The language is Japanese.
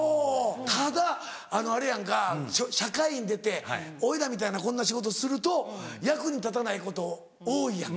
ただあれやんか社会に出て俺らみたいなこんな仕事すると役に立たないこと多いやんか。